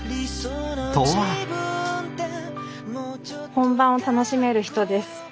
本番を楽しめる人です。